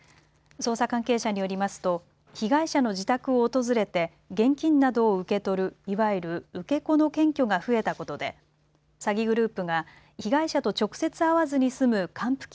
捜査関係者によりますと被害者の自宅を訪れて現金などを受け取る、いわゆる受け子の検挙が増えたことで詐欺グループが被害者と直接会わずに済む還付金